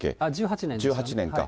１８年か。